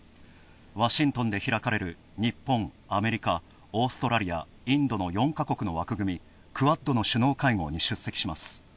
ワシントンで開かれる、日本、アメリカ、オーストラリア、インドの４か国の枠組みＱｕａｄの首脳会合に出席します。